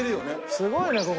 すごいねここ。